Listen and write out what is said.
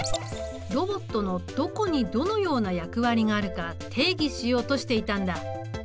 ロボットのどこにどのような役割があるか定義しようとしていたんだ。